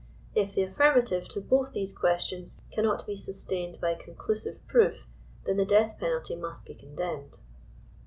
If the aflirmative to both these questions cannot be sustained by conclusive proof, then the death penalty must be condemned.